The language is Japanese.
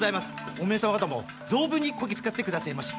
おめえ様方も存分にこき使ってくだせぇまし！